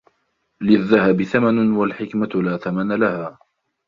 للذهب ثمن والحكمة لا ثمن لها.